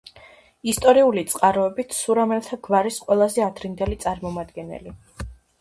ისტორიული წყაროებით, სურამელთა გვარის ყველაზე ადრინდელი წარმომადგენელი.